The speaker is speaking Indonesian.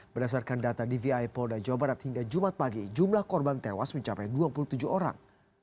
berdasarkan data dvi polda jawa barat hingga jumat pagi jumlah korban tewas mencapai dua puluh tujuh orang